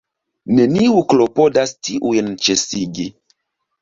Neniu klopodas tiujn ĉesigi.